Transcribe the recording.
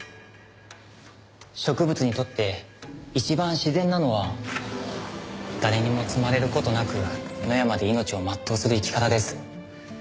植物にとって一番自然なのは誰にも摘まれる事なく野山で命を全うする生き方です。